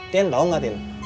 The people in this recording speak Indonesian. tin tau ga tin